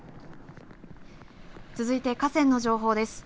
続いて、河川の情報です。